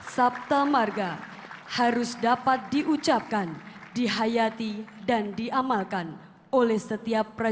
sabta marga harus dapat diucapkan dihayati dan diamati